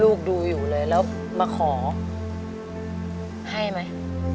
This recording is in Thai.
ดูอยู่เลยแล้วมาขอให้ไหม